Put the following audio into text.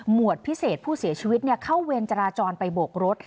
วดพิเศษผู้เสียชีวิตเข้าเวรจราจรไปโบกรถ